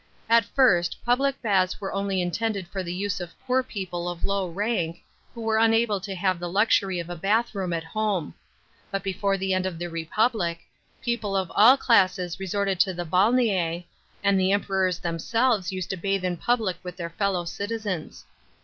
At first, public baths were only intended for the use of poor people of low rank, who were unable to have the luxury of a bath room at home ; but before the end of the Republic, people of all classes resorted to the balnea^ and the Emperors themselves used to bathe in public with their fellow citizens.